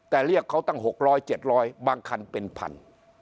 แต่เรียกเขาตั้ง๖๐๐๗๐๐บางคันเป็นพัน